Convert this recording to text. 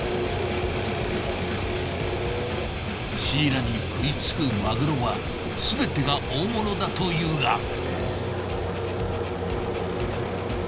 シイラに喰いつくマグロはすべてが大物だというが。